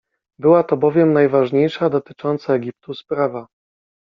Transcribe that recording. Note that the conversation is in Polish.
Była to bowiem najważniejsza dotycząca Egiptu sprawa.